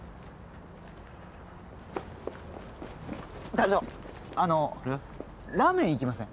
課長あのラーメン行きません？